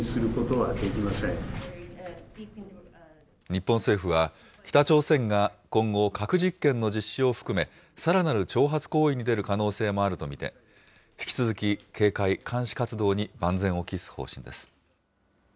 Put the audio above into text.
日本政府は、北朝鮮が今後、核実験の実施を含め、さらなる挑発行為に出る可能性もあると見て、引き続き、警戒・監視活動に万全を期す方針です。